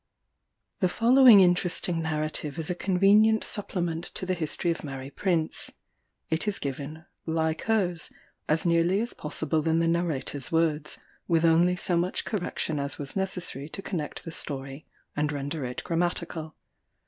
The following interesting narrative is a convenient supplement to the history of Mary Prince. It is given, like hers, as nearly as possible in the narrator's words, with only so much correction as was necessary to connect the story, and render it grammatical.